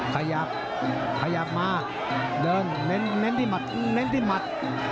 ขยับขยับมาเดินเน้นที่หมัดเน้นที่หมัด